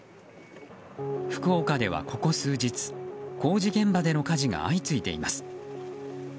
福岡では、ここ数日工事現場での火事が相次いでいます。